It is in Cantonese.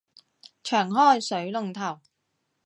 長開水龍頭